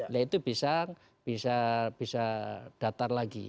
nah itu bisa datar lagi